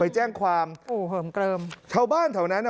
แจ้งความโอ้โหเหิมเกลิมชาวบ้านแถวนั้นอ่ะ